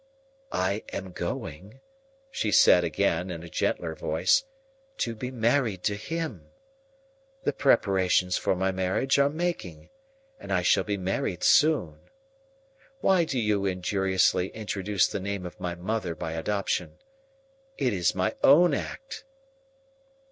"I am going," she said again, in a gentler voice, "to be married to him. The preparations for my marriage are making, and I shall be married soon. Why do you injuriously introduce the name of my mother by adoption? It is my own act."